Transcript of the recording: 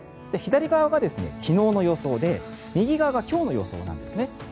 左側は昨日の予想で右側が今日の予想なんですね。